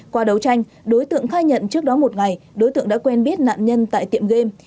qua đấu tranh đối tượng khai nhận trước đó một ngày đối tượng đã quen biết nạn nhân tại tiệm game